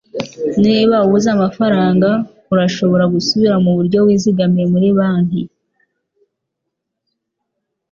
Niba ubuze amafaranga, urashobora gusubira mubyo wizigamiye muri banki.